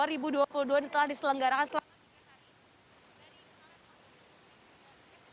dua ribu dua puluh dua ini telah diselenggarakan